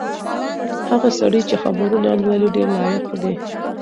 هغه سړی چې خبرونه لولي ډېر لایق دی.